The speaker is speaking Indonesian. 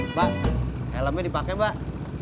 mbak elemenya dipakai mbak